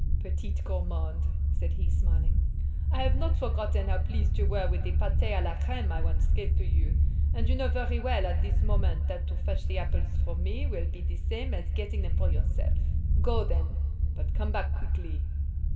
"Petite gourmande!" said he, smiling, "I have not forgotten how pleased you were with the pâté â la crême I once gave you, and you know very well, at this moment, that to fetch the apples for me will be the same as getting them for yourself. Go, then, but come back quickly."